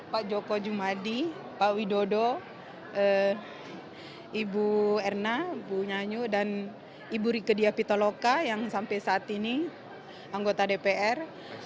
pak wajumadi pak widodo ibu erna ibu nyanyu dan ibu rikedia pitoloka yang sampai saat ini anggota dpr